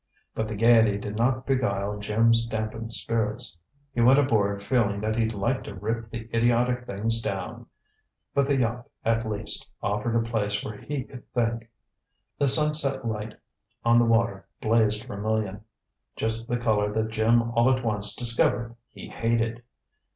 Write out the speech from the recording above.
But the gaiety did not beguile Jim's dampened spirits. He went aboard feeling that he'd like to rip the idiotic things down; but the yacht, at least, offered a place where he could think. The sunset light on the water blazed vermilion just the color that Jim all at once discovered he hated.